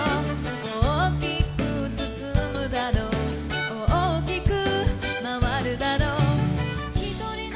「大きくつつむだろう大きくまわるだろう」